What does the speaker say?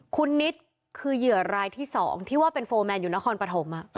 คุณนิดคือเหยื่อรายที่๒ที่ว่าเป็นโฟร์แมนอยู่นครปฐม